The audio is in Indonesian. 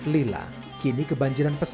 lila kini kebanjiran pesakit